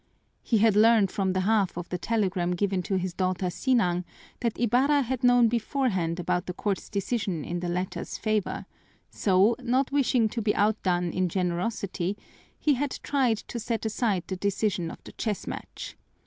He had learned from the half of the telegram given to his daughter Sinang that Ibarra had known beforehand about the court's decision in the latter's favor, so, not wishing to be outdone in generosity, he had tried to set aside the decision of the chess match.